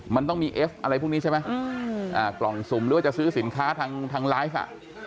มันต้องมีเอฟอะไรพวกนี้ใช่ไหมกล่องสุ่มหรือว่าจะซื้อสินค้าทางไลฟ์